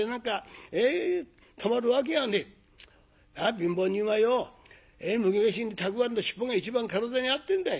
貧乏人はよう麦飯にたくあんの尻尾が一番体に合ってんだい。